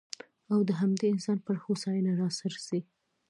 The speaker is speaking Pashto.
او د همدې انسان پر هوساینه راڅرخي.